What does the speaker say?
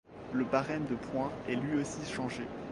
Le barème de points est lui aussi changé.